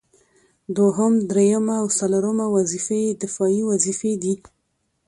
دوهم، دريمه او څلورمه وظيفه يې دفاعي وظيفي دي